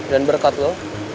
dan berkat lo